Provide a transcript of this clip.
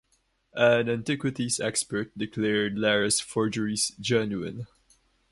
An antiquities expert declared Lara's forgeries genuine.